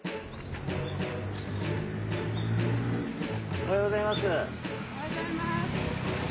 おはようございます。